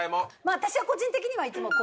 私は個人的にはいつも。